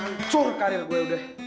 hancur karir gue udah